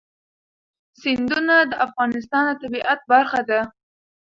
سیندونه د افغانستان د طبیعت برخه ده.